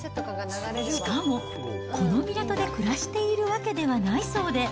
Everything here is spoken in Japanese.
しかも、この港で暮らしているわけではないそうで。